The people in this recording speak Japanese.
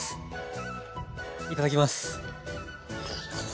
いただきます！